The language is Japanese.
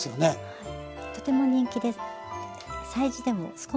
はい。